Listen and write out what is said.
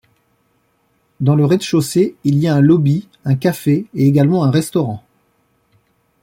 Dans le rez-de-chaussée, il y a un lobby, un café et également un restaurant.